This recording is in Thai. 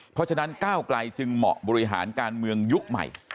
เพราะฉะนั้นก้าวไกลจึงเหมาะบริหารการเมืองยุคใหม่